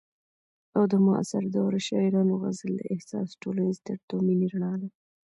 او د معاصر دور شاعرانو غزل د احساس، ټولنیز درد او مینې رڼا ده.